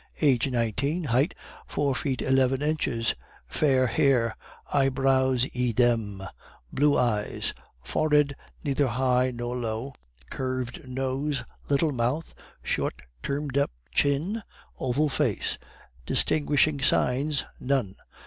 Age, nineteen; height, four feet eleven inches; fair hair, eyebrows idem, blue eyes, forehead neither high nor low, curved nose, little mouth, short turned up chin, oval face; distinguishing signs none.